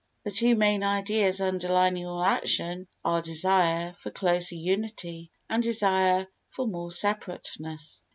The two main ideas underlying all action are desire for closer unity and desire for more separateness.